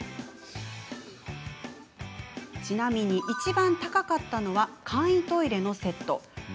ちなみに、いちばん高かったのは簡易トイレのセット。